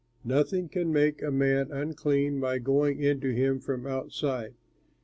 Nothing can make a man unclean by going into him from outside.